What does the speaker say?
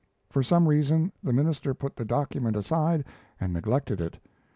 For some reason, the minister put the document aside and neglected it.